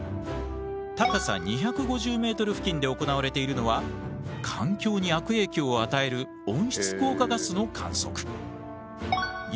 高さ２５０ｍ付近で行われているのは環境に悪影響を与える温室効果ガスの観測。